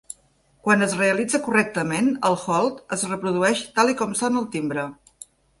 Quan es realitza correctament, el "hold" es reprodueix tal i com sona el timbre.